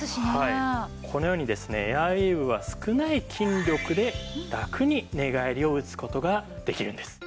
このようにですねエアウィーヴは少ない筋力でラクに寝返りを打つ事ができるんです。